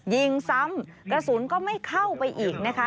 ยิงซ้ำกระสุนก็ไม่เข้าไปอีกนะคะ